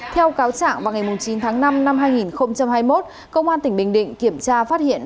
theo cáo trạng vào ngày chín tháng năm năm hai nghìn hai mươi một công an tỉnh bình định kiểm tra phát hiện